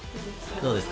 どうですか？